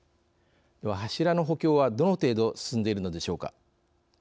柱の補強は、どの程度進んでいるのでしょうか。